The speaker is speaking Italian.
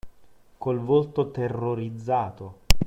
Col volto terrorizzato